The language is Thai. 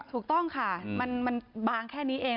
ถูกต้องค่ะมันบางแค่นี้เอง